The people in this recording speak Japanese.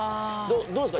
どうですか？